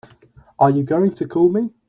Are you going to call me?